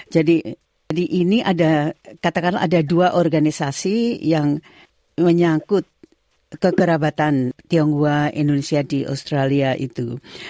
jadi katakanlah ada dua organisasi yang menyangkut kekerabatan tionghoa indonesia di australia itu